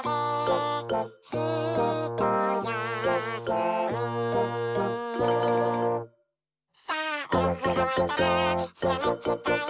「ひとやすみ」「さあえのぐがかわいたらひらめきタイム」